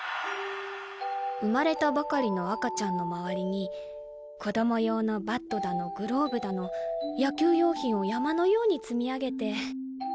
生まれたばかりの赤ちゃんの周りに子ども用のバットだのグローブだの野球用品を山のように積み上げて。